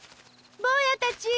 ぼうやたち！